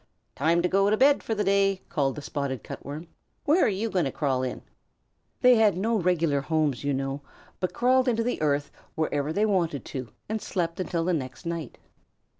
"Time to go to bed for the day," called the Spotted Cut Worm. "Where are you going to crawl in?" They had no regular homes, you know, but crawled into the earth wherever they wanted to and slept until the next night.